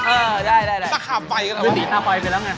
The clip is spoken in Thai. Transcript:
เออได้อะไรพี่เดี๋ยวไม่เคยได้ไหมเอาไปพีดตายไปแล้วไง